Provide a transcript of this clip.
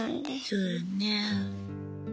そうだね。